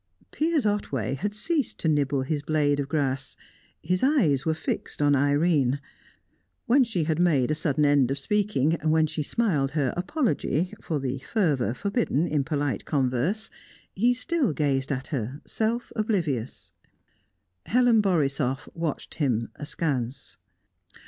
Piers Otway had ceased to nibble his blade of grass; his eyes were fixed on Irene. When she had made a sudden end of speaking, when she smiled her apology for the fervour forbidden in polite converse, he still gazed at her, self oblivious. Helen Borisoff watched him, askance.